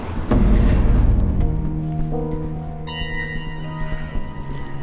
ada yang kenal sama pak sumarno nih